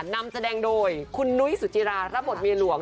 นำแสดงโดยคุณนุ้ยสุจิรารับบทเมียหลวง